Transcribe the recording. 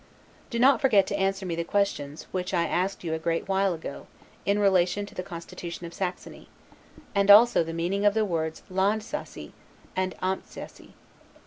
Do not forget to answer me the questions, which I asked you a great while ago, in relation to the constitution of Saxony; and also the meaning of the words 'Landsassii and Amptsassii'.